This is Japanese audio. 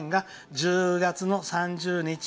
１０月の３０日。